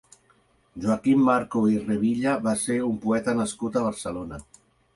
Joaquim Marco i Revilla va ser un poeta nascut a Barcelona.